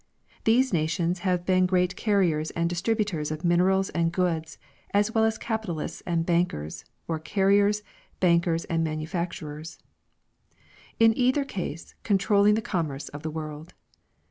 These nations have been great carriers and distributors of minerals and goods, as well as capitalists and bankers, or carriers, bankers and manufacturers ; in either case controlling the commerce of the Avorld.